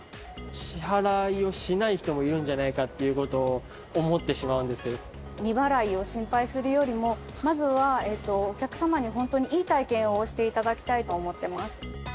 支払いをしない人もいるんじゃないかっていうことを思ってし未払いを心配するよりも、まずはお客様に本当にいい体験をしていただきたいと思ってます。